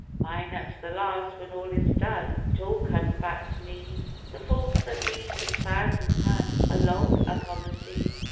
Mine at the last when all is done it all comes back to me, The fault that leaves six thousand ton a log upon the sea.